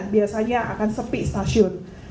biasanya akan sepi stasiun